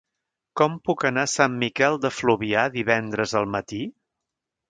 Com puc anar a Sant Miquel de Fluvià divendres al matí?